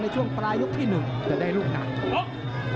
ในช่วงปลายยกที่หนึ่งจะได้ลูกหนัก